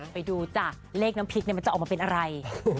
ไปดูจ้ะเลขน้ำพริกมันจะออกมาเป็นอะไร